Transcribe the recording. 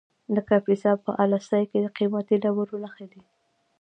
د کاپیسا په اله سای کې د قیمتي ډبرو نښې دي.